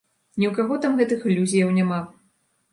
Ні ў каго там гэтых ілюзіяў няма.